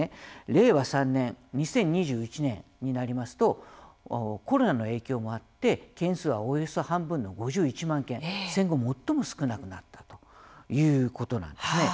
令和３年２０２１年になりますとコロナの影響もあって件数はおよそ半分の５１万件戦後最も少なくなったということなんですね。